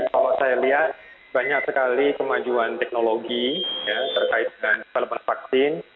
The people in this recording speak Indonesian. kalau saya lihat banyak sekali kemajuan teknologi terkait dengan development vaksin